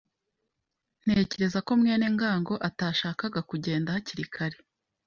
Ntekereza ko mwene ngango atashakaga kugenda hakiri kare.